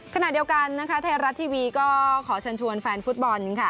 ขณะเดียวกันนะคะไทยรัฐทีวีก็ขอเชิญชวนแฟนฟุตบอล